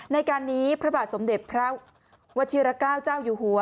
ในการนี้พระบาทสมเด็จพระวชิระเกล้าเจ้าอยู่หัว